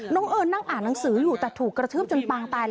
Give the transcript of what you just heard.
เอิญนั่งอ่านหนังสืออยู่แต่ถูกกระทืบจนปางตาย